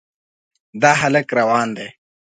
دا هلک روان دی.